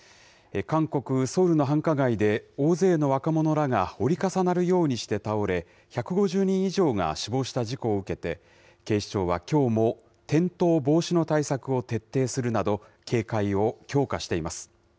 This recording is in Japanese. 韓国・ソウルの繁華街で、大勢の若者らが折り重なるようにして倒れ、１５０人以上が死亡した事故を受けて、警視庁はきょうも転倒防止の対策を徹底するなど、警戒を強化しています。